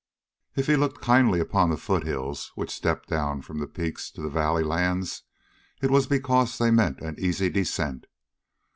If he looked kindly upon the foothills, which stepped down from the peaks to the valley lands, it was because they meant an easy descent.